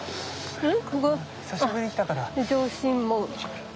うん。